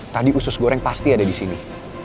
tadi usus goreng pasti ada disini